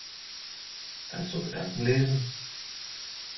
Kannst du Gedanken lesen?